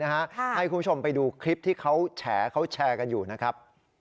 ให้คุณผู้ชมไปดูคลิปที่เขาแฉเขาแชร์กันอยู่นะครับ